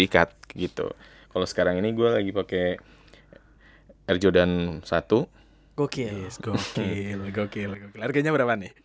ikat gitu kalau sekarang ini gua lagi pakai er jodan satu gokil gokil gokil harganya berapa nih